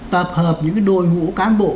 tập hợp những cái đồi hũ cán bộ